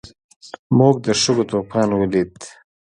موږ د شګو طوفان ولید.